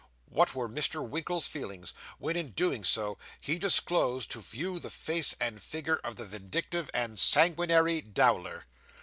What were Mr. Winkle's feelings when, in doing so, he disclosed to view the face and figure of the vindictive and sanguinary Dowler!